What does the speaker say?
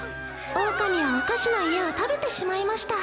オオカミはお菓子の家を食べてしまいました。